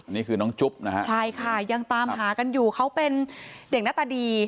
นี่คือน้องจุ๊บนะฮะใช่ค่ะยังตามหากันอยู่เขาเป็นเด็กหน้าตาดี